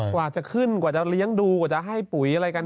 กว่าจะขึ้นกว่าจะเลี้ยงดูกว่าจะให้ปุ๋ยอะไรกัน